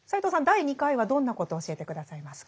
第２回はどんなことを教えて下さいますか？